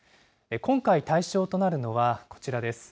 今回対象となるのは、こちらです。